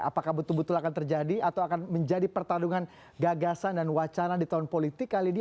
apakah betul betul akan terjadi atau akan menjadi pertarungan gagasan dan wacana di tahun politik kali ini